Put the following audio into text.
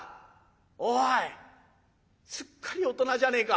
おいすっかり大人じゃねえか。